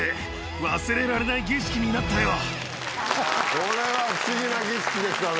これは不思議な儀式でしたね。